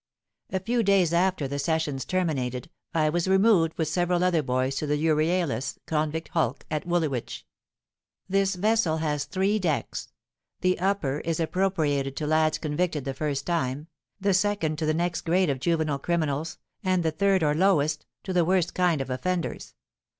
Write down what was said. "A few days after the sessions terminated, I was removed with several other boys to the Euryalus Convict Hulk at Woolwich. This vessel has three decks: the upper is appropriated to lads convicted the first time, the second to the next grade of juvenile criminals, and the third, or lowest, to the worst kind of offenders.